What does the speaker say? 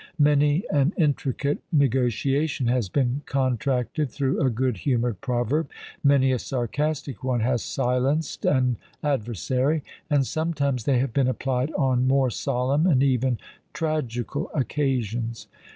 Many an intricate negotiation has been contracted through a good humoured proverb, many a sarcastic one has silenced an adversary; and sometimes they have been applied on more solemn, and even tragical occasions.